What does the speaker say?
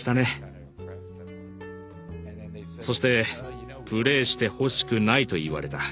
そして「プレイしてほしくない」と言われた。